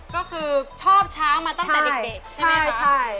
ก็คือชอบช้างมาตั้งแต่เด็กใช่ไหมคะ